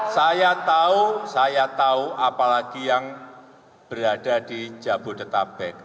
saya tahu saya tahu apalagi yang berada di jabodetabek